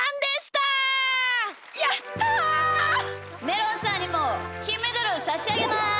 めろんさんにもきんメダルをさしあげます！